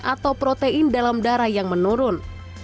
atau protein dalam darah yang menurun